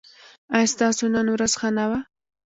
ایا ستاسو نن ورځ ښه نه وه؟